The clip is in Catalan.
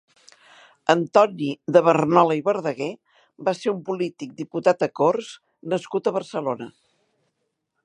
Antoni de Barnola i Verdaguer va ser un polític diputat a Corts nascut a Barcelona.